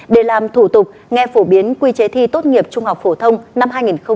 để làm thủ tục nghe phổ biến quy chế thi tốt nghiệp trung học phổ thông năm hai nghìn hai mươi